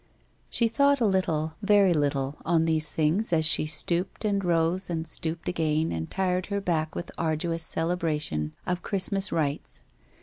She thought a little, very little, on these things as she stooped, and rose, and stooped again and tired her back with arduous celebration of Christmas rites.